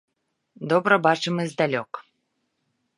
Добра бачым і здалёк.